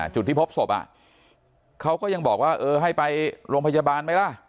จุดที่พบศพเขาก็ยังบอกว่าเออให้ไปโรงพยาบาลไหมล่ะ